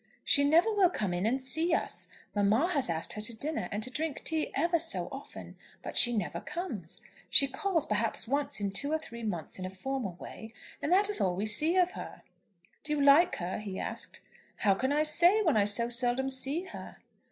"She never will come in to see us. Mamma has asked her to dinner and to drink tea ever so often, but she never comes. She calls perhaps once in two or three months in a formal way, and that is all we see of her." "Do you like her?" he asked. "How can I say, when I so seldom see her."